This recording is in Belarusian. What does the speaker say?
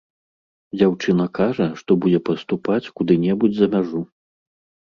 Дзяўчына кажа, што будзе паступаць куды-небудзь за мяжу.